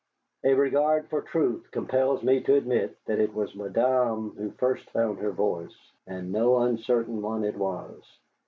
A regard for truth compels me to admit that it was madame who first found her voice, and no uncertain one it was.